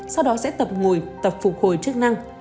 sau đó sẽ tập ngồi tập phục hồi chức năng